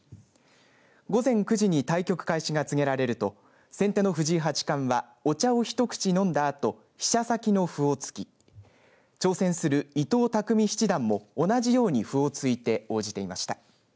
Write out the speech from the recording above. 午前９時に対局開始が告げられると先手の藤井八冠はお茶を一口飲んだあと飛車先の歩を突き挑戦する伊藤匠七段も同じように歩を突いて応じていました。